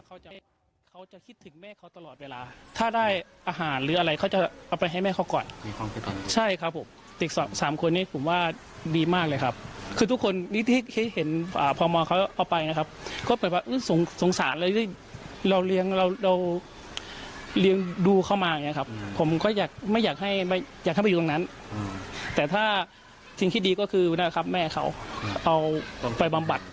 ก็อยู่ตรงนั้นแต่ถ้าสิ่งที่ดีก็คือนั่นแหละครับแม่เขาเอาไปบำบัด